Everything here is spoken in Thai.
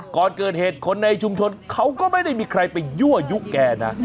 ก่อนเกิดเหตุคนในชุมชนเขาก็ไม่ได้มีใครไปยั่วยุแกนะ